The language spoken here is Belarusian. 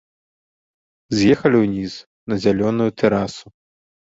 З'ехалі ўніз, на зялёную тэрасу.